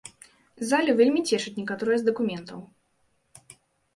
Залю вельмі цешаць некаторыя з дакументаў.